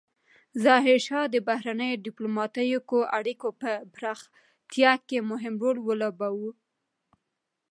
ظاهرشاه د بهرنیو ډیپلوماتیکو اړیکو په پراختیا کې مهم رول ولوباوه.